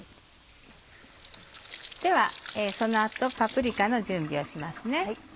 ではその後パプリカの準備をしますね。